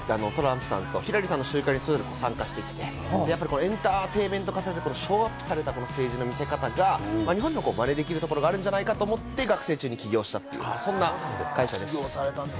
トランプさんの選挙にトランプさんとヒラリーさんが参加してきて、エンターテインメント、ショーアップされた政治の見せ方が日本も真似できるところがあるんじゃないかと思って学生中に起業したという、そんな会社です。